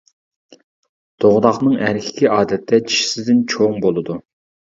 دوغداقنىڭ ئەركىكى ئادەتتە چىشىسىدىن چوڭ بولىدۇ.